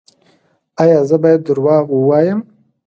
ایا زه باید دروغ ووایم؟